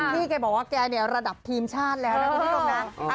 พี่แกบอกว่าแกเนี่ยระดับทีมชาติแล้วนะพี่ที่ลงนั้น